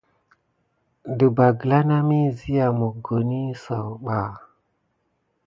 Ɗəɓɑ gla nami siya mokoni sakuba.